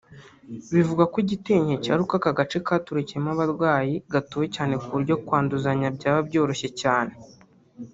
Bivugwa ko igiteye inkeke ari uko aka gace katorokeyemo abarwayi gatuwe cyane ku buryo kwanduzanya byaba byoroshye cyane